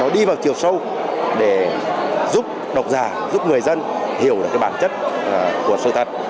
để giúp độc giả giúp người dân hiểu được cái bản chất của sự thật